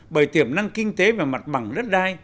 bởi tiềm năng kinh tế về mặt bằng đất đai